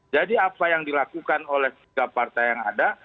jadi apa yang dilakukan oleh tiga partai yang ada